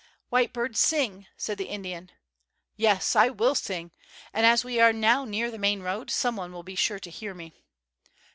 "White Bird sing," said the Indian. "Yes, I will sing. And as we are now near the main road, some one will be sure to hear me."